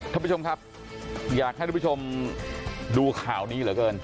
ท่านผู้ชมครับอยากให้ทุกผู้ชมดูข่าวนี้เหลือเกิน